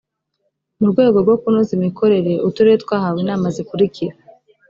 mu rwego rwo kunoza imikorere uturere twahawe inama zikurikira